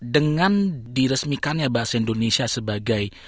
dengan diresmikannya bahasa indonesia sebagai